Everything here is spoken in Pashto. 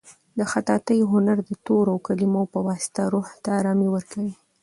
د خطاطۍ هنر د تورو او کلیمو په واسطه روح ته ارامي ورکوي.